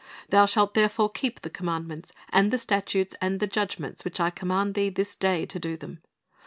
... Thou shalt therefore keep the commandments, The Lord's Vineyard 289 and the statutes, and the judgments, which I command thee this day, to do them.